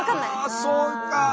あそうか。